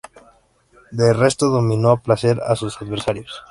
De resto, dominó a placer a sus adversarios.